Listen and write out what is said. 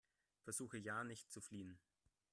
Versuche ja nicht zu fliehen!